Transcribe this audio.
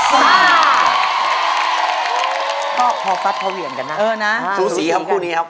สูสีครับคู่นี้ครับ